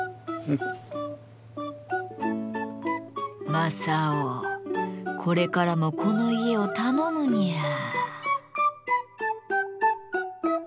正雄これからもこの家を頼むニャー。